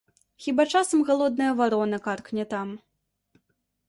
Хіба часам галодная варона каркне там.